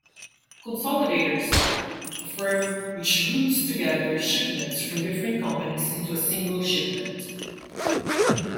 Consolidators: a firm which groups together shipments from different companies into a single shipment.